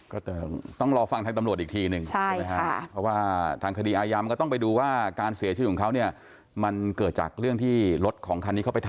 ก็แต่ต้องรอฟังทางตำรวจอีกทีหนึ่ง